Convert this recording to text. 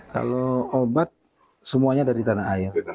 kalau obat semuanya dari tanah air